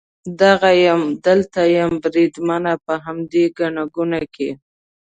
دغه یم، دلته یم بریدمنه، په همدې ګڼه ګوڼه کې.